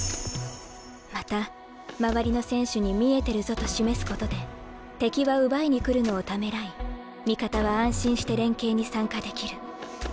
また周りの選手に「見えてるぞ」と示すことで敵は奪いに来るのをためらい味方は安心して連係に参加できる。